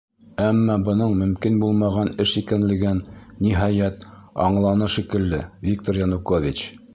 Әммә бының мөмкин булмаған эш икәнлеген, ниһайәт, аңланы шикелле Виктор Янукович.